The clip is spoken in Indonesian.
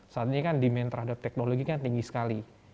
saat ini kan demand terhadap teknologi kan tinggi sekali